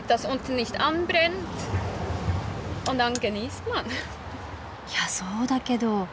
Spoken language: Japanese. いやそうだけど。